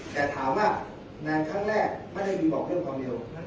แต่ถามว่างานครั้งแรกไม่ได้มีบอกเรื่องความเร็ว